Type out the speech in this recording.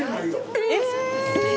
えっ！？